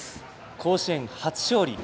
甲子園初勝利。